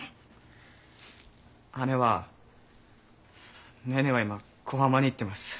姉は姉え姉えは今小浜に行ってます。